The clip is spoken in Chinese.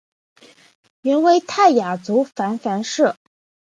原为泰雅族芃芃社。